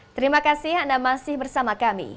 terima kasih anda masih bersama kami